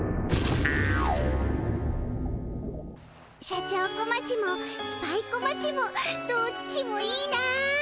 社長小町もスパイ小町もどっちもいいな！